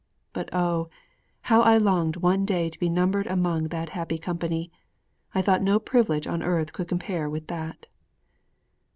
But oh, how I longed one day to be numbered among that happy company! I thought no privilege on earth could compare with that.'